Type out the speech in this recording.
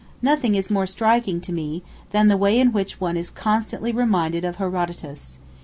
Nothing is more striking to me than the way in which one is constantly reminded of Herodotus.